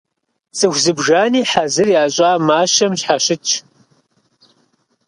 Цӏыху зыбжани хьэзыр ящӏа мащэм щхьэщытщ.